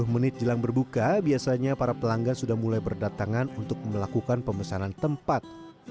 sepuluh menit jelang berbuka biasanya para pelanggan sudah mulai berdatangan untuk melakukan pemesanan tempat